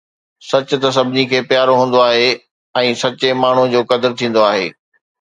سچ ته سڀني کي پيارو هوندو آهي ۽ سچي ماڻهوءَ جو قدر ٿيندو آهي